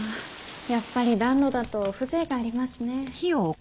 やっぱり暖炉だと風情がありますね。